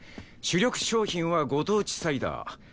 主力商品はご当地サイダー。